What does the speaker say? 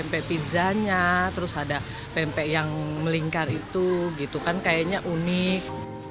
pempek pizzanya terus ada pempek yang melingkar itu gitu kan kayaknya unik